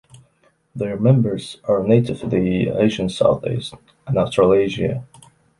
Their members are native to the Asian south east and Australasia.